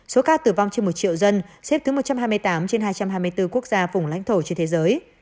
số ca tử vong trên một triệu dân xếp thứ một trăm hai mươi tám trên hai trăm hai mươi bốn quốc gia vùng lãnh thổ trên thế giới